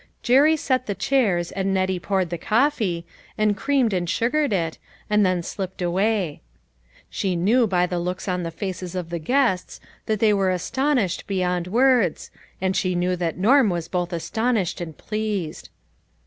Jerry set the chairs, and Nettie poured the coffee, and creamed and sugared it, and then slipped away. She knew by the looks on the faces of the guests, that they were astonished beyond words, and she knew that Norm was both 'astonished and pleased.